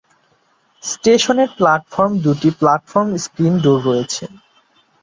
স্টেশনের প্ল্যাটফর্ম দুটিতে platform screen door রয়েছে।